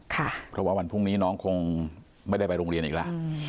เพราะว่าวันพรุ่งนี้น้องคงไม่ได้ไปโรงเรียนอีกแล้ว